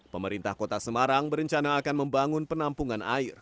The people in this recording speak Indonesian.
pemerintah kota semarang berencana akan membangun penampungan air